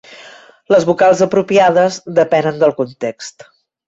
Les vocals apropiades depenen del context.